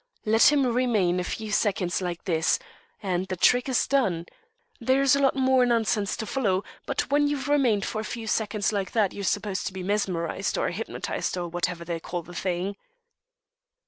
Let him remain a few seconds like this,' and the trick is done. There's a lot more nonsense to follow, but when you've remained for a few seconds like that you're supposed to be mesmerised, or hypnotised, or whatever they call the thing."